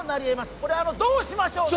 これどうしましょうね？